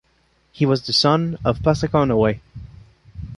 He was the son of Passaconaway.